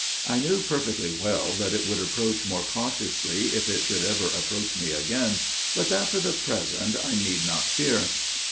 I knew perfectly well that it would approach more cautiously if it should ever approach me again, but that for the present I need not fear.